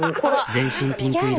全身ピンク色。